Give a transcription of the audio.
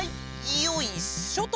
よいしょっと。